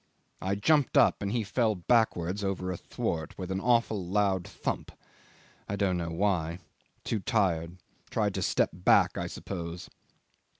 I jumped up, and he fell backwards over a thwart with an awful loud thump. I don't know why. Too dark. Tried to step back I suppose.